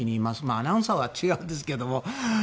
アナウンサーは違うんですけども。